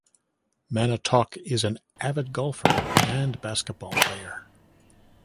Manotoc is an avid golfer and basketball player.